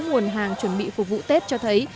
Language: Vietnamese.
nguồn hàng chuẩn bị phục vụ tết cho thấy